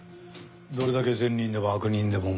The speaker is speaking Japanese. どれだけ善人でも悪人でも無関係に。